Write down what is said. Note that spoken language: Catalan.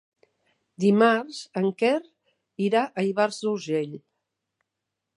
Dimarts en Quer irà a Ivars d'Urgell.